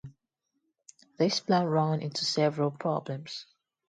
This plan ran into several problems.